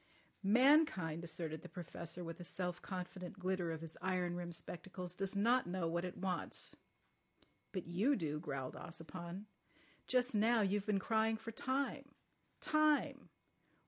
"Mankind," asserted the Professor with a self confident glitter of his iron rimmed spectacles, "does not know what it wants." "But you do," growled Ossipon. "Just now you've been crying for time—time.